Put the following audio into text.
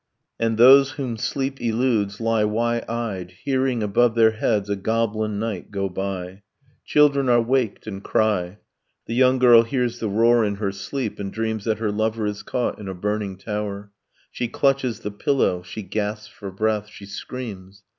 And those whom sleep eludes lie wide eyed, hearing Above their heads a goblin night go by; Children are waked, and cry, The young girl hears the roar in her sleep, and dreams That her lover is caught in a burning tower, She clutches the pillow, she gasps for breath, she screams